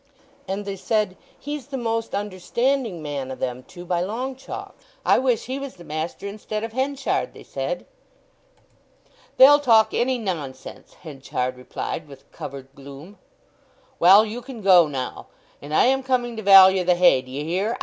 And they said, 'He's the most understanding man o' them two by long chalks. I wish he was the master instead of Henchard,' they said." "They'll talk any nonsense," Henchard replied with covered gloom. "Well, you can go now. And I am coming to value the hay, d'ye hear?